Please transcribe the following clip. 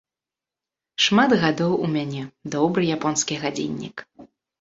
Шмат гадоў у мяне, добры японскі гадзіннік.